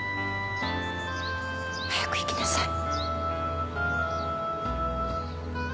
早く行きなさい。